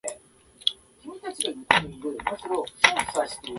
アルナーチャル・プラデーシュ州の州都はイーターナガルである